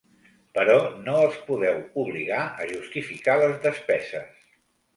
Però no els podeu obligar a justificar les despeses.